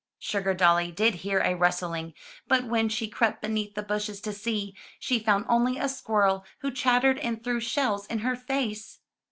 Sugardolly did hear a rustling, but when she crept beneath the bushes to see, she found only a squirrel who chattered and threw shells in her face.